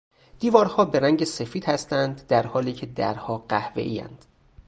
دیوارها به رنگ سفید هستند درحالیکه درها قهوهایاند.